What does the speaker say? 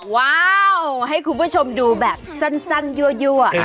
ว้าวให้คุณผู้ชมดูแบบสั้นยั่ว